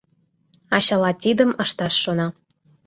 А чыла тидым ышташ шона.